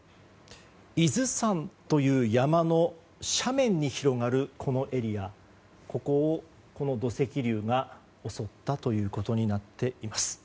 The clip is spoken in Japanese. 伊豆山という山の斜面に広がるこのエリア、ここを土石流が襲ったということになっています。